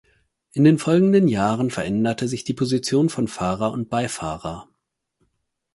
In den folgenden Jahren veränderte sich die Position von Fahrer und Beifahrer.